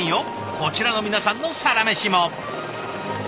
こちらの皆さんのサラメシも。